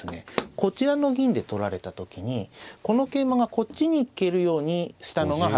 こちらの銀で取られた時にこの桂馬がこっちに行けるようにしたのが８二歩。